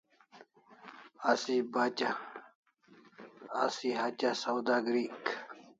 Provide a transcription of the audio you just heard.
Asi hatya sawda gri'k